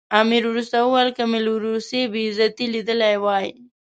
امیر وروسته وویل که مې له روسیې بې عزتي لیدلې وای.